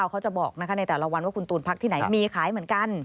เขาจะบอกในแต่ละวันว่าคุณตูนพักที่ไหนมีขายเหมือนกัน